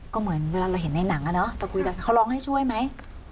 ก็เหมือนเวลาเราเห็นในหนังอะเนาะจะคุยกันเขาร้องให้ช่วยไหม